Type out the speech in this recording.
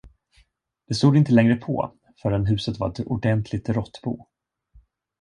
Det stod inte länge på, förrän huset var ett ordentligt råttbo.